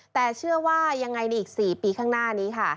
แต่เชื่อว่ายังไงในอีก๔ปีข้างหน้านี้ค่ะ